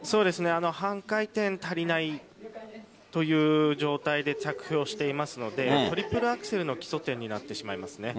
半回転足りないという状態で着氷していますのでトリプルアクセルの基礎点になってしまいます。